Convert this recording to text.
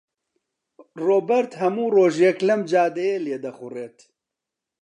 ڕۆبەرت هەموو ڕۆژێک لەم جادەیە لێدەخوڕێت.